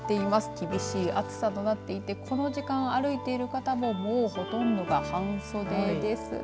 厳しい暑さとなっていてこの時間、歩いている方ももうほとんどが半袖ですね。